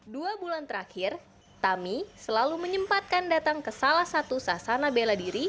dua bulan terakhir tami selalu menyempatkan datang ke salah satu sasana bela diri